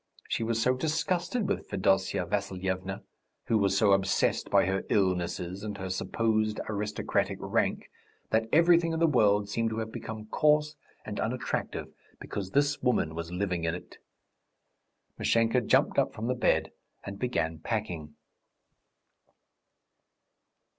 She was so disgusted with Fedosya Vassilyevna, who was so obsessed by her illnesses and her supposed aristocratic rank, that everything in the world seemed to have become coarse and unattractive because this woman was living in it. Mashenka jumped up from the bed and began packing.